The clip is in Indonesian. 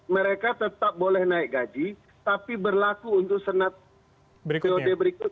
mereka tetap boleh naik gaji tapi berlaku untuk senat periode berikut